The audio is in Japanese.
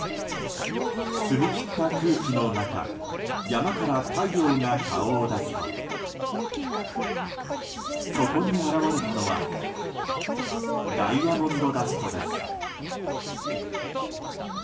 澄み切った空気の中山から太陽が顔を出すとそこに現れたのはダイヤモンドダストです。